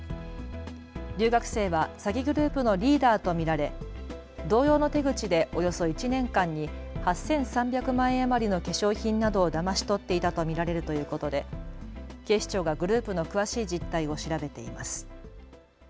留学生は詐欺グループのリーダーと見られ同様の手口でおよそ１年間に８３００万円余りの化粧品などをだまし取っていたと見られるということで警視庁がグループの詳しい実態を調べています。